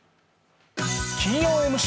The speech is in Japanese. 金曜ＭＣ